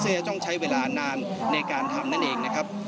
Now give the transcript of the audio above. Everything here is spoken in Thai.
ซึ่งจะต้องใช้เวลานานในการทำนั่นเองนะครับ